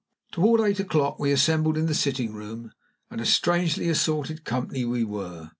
Toward eight o'clock we assembled in the sitting room, and a strangely assorted company we were.